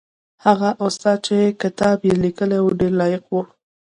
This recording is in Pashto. هغه استاد چې کتاب یې لیکلی و ډېر لایق و.